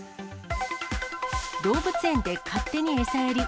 動物園で勝手に餌やり。